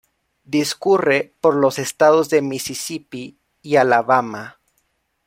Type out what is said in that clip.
Discurre por los estados de Misisipi y Alabama.